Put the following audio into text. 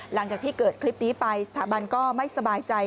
หลังจากที่เกิดคลิปนี้ไปสถาบันก็ไม่สบายใจ